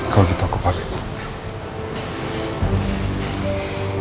kalau gitu aku panggil pa